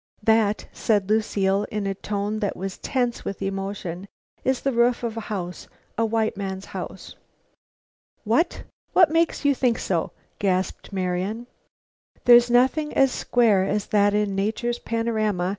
"That," said Lucile in a tone that was tense with emotion, "is the roof of a house a white man's house!" "Wha what makes you think so?" gasped Marian. "There's nothing as square as that in nature's panorama.